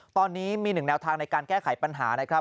ตอนนี้มีหนึ่งแนวทางในการแก้ไขปัญหานะครับ